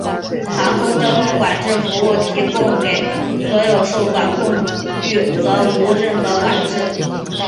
航空交通管制服务提供给所有在受管空域则无任何管制。